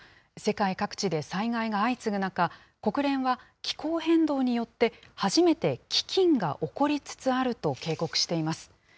世界各地で災害が相次ぐ中、国連は気候変動によって、初めて飢きんが起こりつつあると警告しています。